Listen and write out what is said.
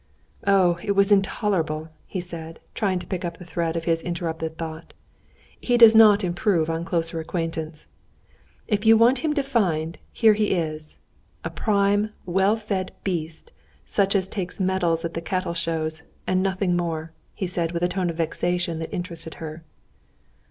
"Oh, it was intolerable!" he said, trying to pick up the thread of his interrupted thought. "He does not improve on closer acquaintance. If you want him defined, here he is: a prime, well fed beast such as takes medals at the cattle shows, and nothing more," he said, with a tone of vexation that interested her.